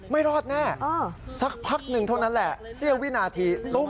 ไม่รอดแน่สักพักหนึ่งเท่านั้นแหละเสี้ยววินาทีตุ้ม